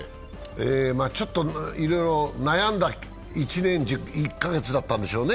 いろいろ悩んだ１年１１カ月だったんでしょうね。